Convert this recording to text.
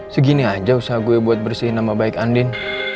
segini aja usaha gue buat bersihin nama baik andin